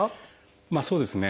まあそうですね。